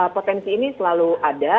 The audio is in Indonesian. potensi ini selalu ada